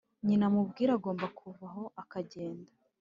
nyina amubwira agomba kuva aho akagenda